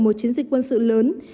một chiến dịch quân sự lớn